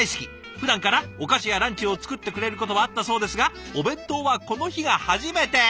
ふだんからお菓子やランチを作ってくれることはあったそうですがお弁当はこの日が初めて。